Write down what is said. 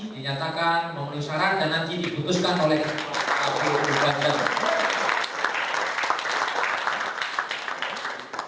berdasarkan memenuhi sarang dan nanti dibutuhkan oleh pak dr wahidin halim